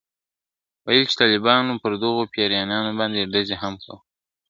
ویل چي طالبانو پر دغو پېریانانو باندي ډزي هم کړي ..